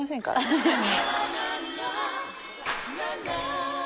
確かに。